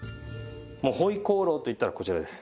もう回鍋肉といったらこちらです。